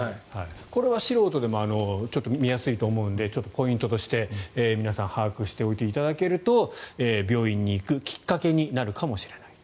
これは素人でも見やすいと思うのでポイントとして、皆さん把握しておいていただけると病院に行くきっかけになるかもしれない。